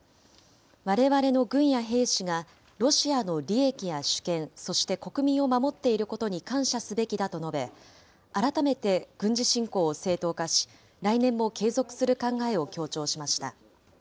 われわれの軍や兵士がロシアの利益や主権、そして国民を守っていることに感謝すべきだと述べ、改めて軍事侵攻を正当化し、来年も継続する考えを強調しました。